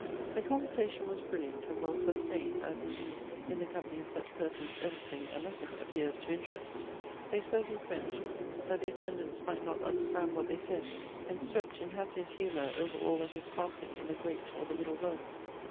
The conversation was brilliant and well sustained, as, indeed, in the company of such persons everything and nothing appears to interest. They spoke in French that the attendants might not understand what they said, and swept in happiest humor over all that was passing in the great or the middle world.